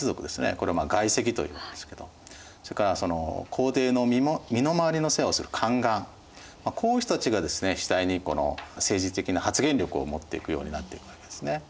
これを外戚というんですけどそれから皇帝の身の回りの世話をする宦官こういう人たちがですね次第にこの政治的な発言力を持っていくようになっていくわけですね。